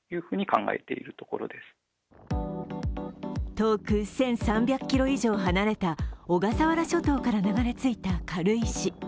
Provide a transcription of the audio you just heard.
遠く１３００ｋｍ以上離れた小笠原諸島から流れ着いた軽石。